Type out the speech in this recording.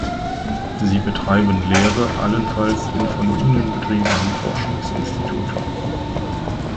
Sie betreiben Lehre allenfalls in von ihnen betriebenen Forschungsinstituten.